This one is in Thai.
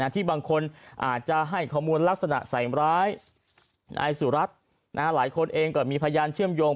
ที่บางคนอาจจะให้ข้อมูลลักษณะใส่ร้ายนายสุรัตน์หลายคนเองก็มีพยานเชื่อมโยง